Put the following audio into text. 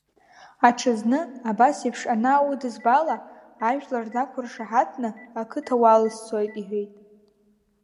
Аҽазны абас еиԥш анааудызбала, ажәлар нақәыршаҳаҭны, ақыҭа уалсцоит иҳәеит.